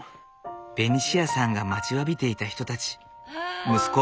ベニシアさんが待ちわびていた人たち息子